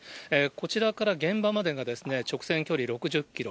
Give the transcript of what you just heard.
こちらから現場までが、直線距離６０キロ。